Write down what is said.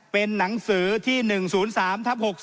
เป็นหนังสือที่๑๐๓ทับ๖๓